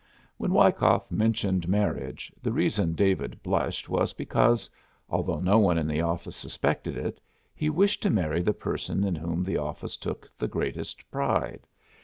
When Wyckoff mentioned marriage, the reason David blushed was because, although no one in the office suspected it, he wished to marry the person in whom the office took the greatest pride.